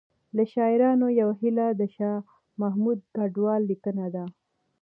له شاعرانو یوه هیله د شاه محمود کډوال لیکنه ده